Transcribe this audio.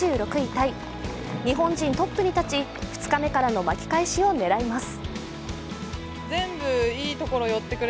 タイ、日本人トップに立ち２日目からの巻き返しを狙います。